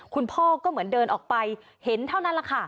คุณพ่อก็เหมือนเดินออกไปเห็นเท่านั้นแหละค่ะ